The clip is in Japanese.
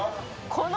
この